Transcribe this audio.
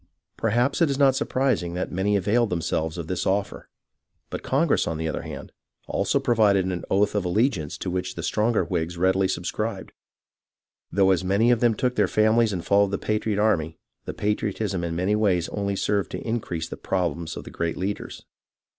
Perhaps it is not surpris ing that many availed themselves of his offer ; but Con gress, on the other hand, also provided an oath of allegiance to which the stronger Whigs readily subscribed, though as many of them took their famihes and followed the patriot EVENTS IN AND NEAR NEW YORK I19 army, their patriotism in many ways only served to in crease the problems of the great leaders.